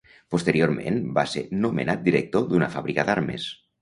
Posteriorment va ser nomenat director d'una fàbrica d'armes.